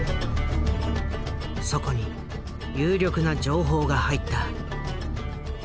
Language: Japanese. そこに有力な情報が入った。